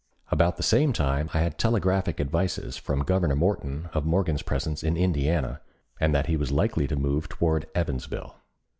About the same time I had telegraphic advices from Governor Morton of Morgan's presence in Indiana, and that he was likely to move toward Evansville.